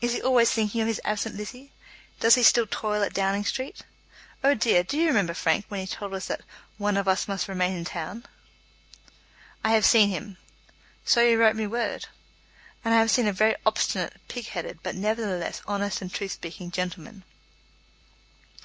Is he always thinking of his absent Lizzie? Does he still toil at Downing Street? Oh, dear; do you remember, Frank, when he told us that 'one of us must remain in town?'" "I have seen him." "So you wrote me word." "And I have seen a very obstinate, pig headed, but nevertheless honest and truth speaking gentleman."